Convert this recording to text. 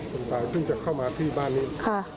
คนตายเพิ่งจะเข้ามาที่บ้านนี้